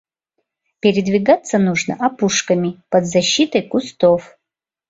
Передвигаться нужно опушками, под защитой кустов...